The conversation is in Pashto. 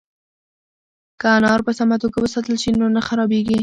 که انار په سمه توګه وساتل شي نو نه خرابیږي.